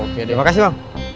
terima kasih bang